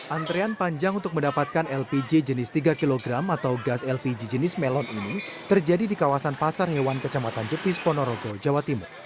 antrean panjang untuk mendapatkan lpg jenis tiga kg atau gas lpg jenis melon ini terjadi di kawasan pasar hewan kecamatan jepis ponorogo jawa timur